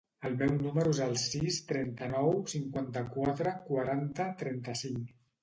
El meu número es el sis, trenta-nou, cinquanta-quatre, quaranta, trenta-cinc.